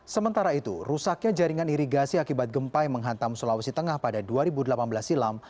sementara itu rusaknya jaringan irigasi akibat gempa yang menghantam sulawesi tengah pada dua ribu delapan belas silam